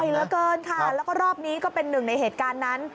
เหลือเกินค่ะแล้วก็รอบนี้ก็เป็นหนึ่งในเหตุการณ์นั้น